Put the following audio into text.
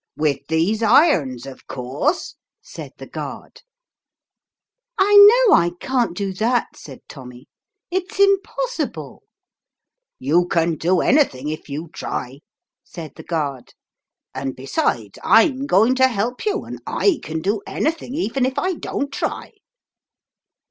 "With these irons, of course," said the guard. " I know I can't do 28 But stops in a green wood. that/' said Tommy ;" it's impossible !"" You can do anything if you try," said the guard, "and besides, I'm going to help you, and / can do anything even if I don't try."